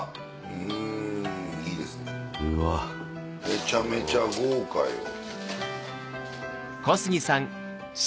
めちゃめちゃ豪華よ。